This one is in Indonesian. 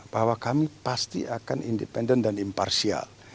bahwa kami pasti akan independen dan imparsial